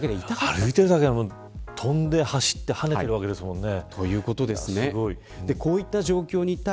歩いているだけで痛かった。とんで走って跳ねているわけですもんね。